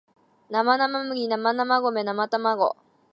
七生麦七生米七生卵